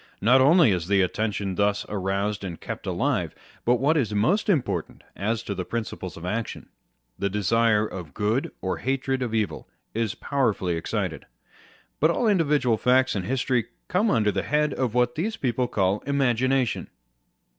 Not only is the attention thus roused &nd kept alive ; but what is most important as to the principles of action, the desire of good or hatred of evil is powerfully excited. But all individual facts and history come under the head of what these people call Imagination.